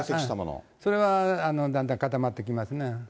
それはだんだん固まってきま